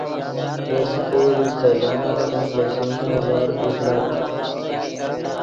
دے سکول استاذانف ڤیم دے شوم نظر اوݱڑت